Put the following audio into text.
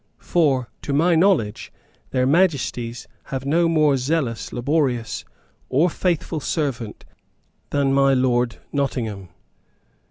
For, to my knowledge, their Majesties have no more zealous, laborious or faithful servant than my Lord Nottingham."